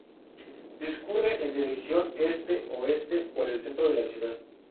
Discurre en dirección este-oeste por el centro de la ciudad.